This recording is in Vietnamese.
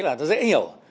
cháy là dễ hiểu